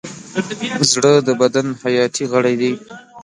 زړه د بدن حیاتي غړی دی.